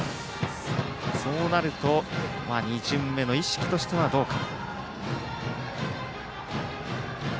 そうなると２巡目の意識としてはどうか。